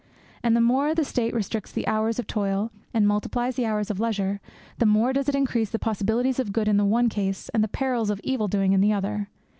And the more the State restricts the hours of toil, and multiplies the hours of leisure, the more does it increase the possibilities of good in the one case and the perils of evil doing in the other.